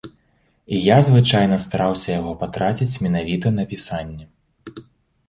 І я звычайна стараўся яго патраціць менавіта на пісанне.